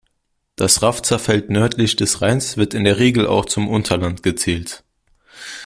Das Rafzerfeld nördlich des Rheins wird in der Regel auch zum Unterland gezählt.